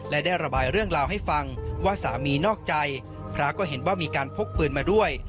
และได้ระบายเรื่องราวให้ฟังว่าสามีนอกใจพระก็เห็นว่ามีการพกปืนมาด้วย